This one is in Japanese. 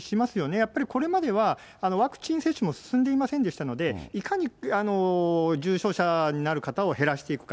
やっぱり、これまではワクチン接種も進んでいませんでしたので、いかに重症者になる方を減らしていくか。